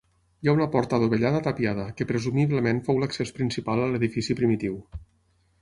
Hi ha una porta dovellada tapiada, que presumiblement fou l'accés principal a l'edifici primitiu.